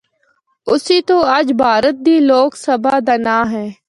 اسی تو اجّ بھارت دی ’لوک سبھا‘ دا ناں ہے۔